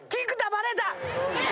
バレた！